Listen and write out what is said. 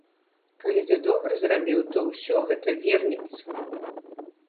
Калі ты добра зрабіў, то ўсё гэта вернецца.